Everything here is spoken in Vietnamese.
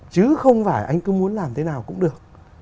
chứ không phải anh cứ muốn làm thế nào cũng được